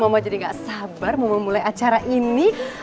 mama jadi gak sabar mau memulai acara ini